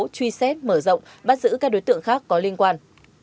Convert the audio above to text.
truy xét mở rộng bắt giữ các đối tượng khác có liên quan